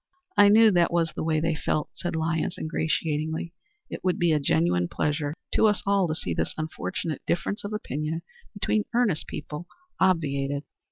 "I knew that was the way they felt," said Lyons, ingratiatingly. "It would be a genuine pleasure to us all to see this unfortunate difference of opinion between earnest people obviated."